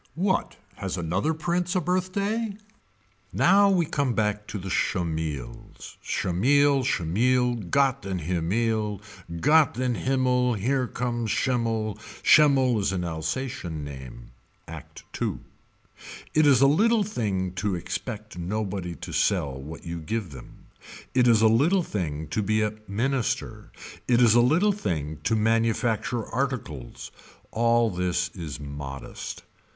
What has another prince a birthday. Now we come back to the Schemmils. Schimmel Schimmel Gott in Himmel Gott in Himmel There comes Shimmel. Schimmel is an Alsatian name. Act II. It is a little thing to expect nobody to sell what you give them. It is a little thing to be a minister. It is a little thing to manufacture articles. All this is modest.